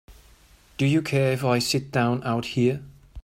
Do you care if I sit down out here?